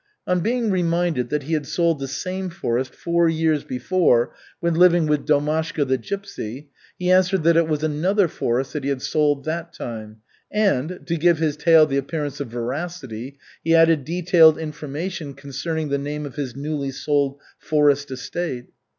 On being reminded that he had sold the same forest four years before when living with Domashka the gypsy, he answered it was another forest that he had sold that time, and, to give his tale the appearance of veracity, he added detailed information concerning the name of his newly sold forest estate.